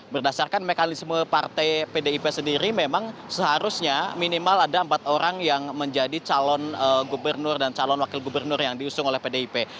berdasarkan mekanisme partai pdip sendiri memang seharusnya minimal ada empat orang yang menjadi calon gubernur dan calon wakil gubernur yang diusung oleh pdip